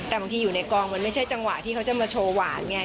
แต่บางทีอยู่ในกองมันไม่ใช่จังหวะที่เขาจะมาโชว์หวานไง